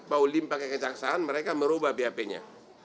paul lim pakai kejaksaan mereka merubah bap nya